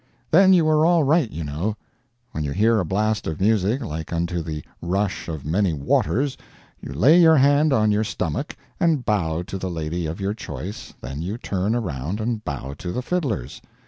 Then you are all right you know. When you hear a blast of music like unto the rush of many waters, you lay your hand on your stomach and bow to the lady of your choice then you turn around and bow to the fiddlers.